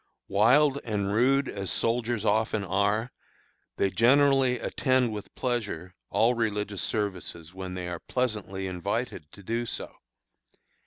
Wild and rude as soldiers often are, they generally attend with pleasure all religious services when they are pleasantly invited to do so.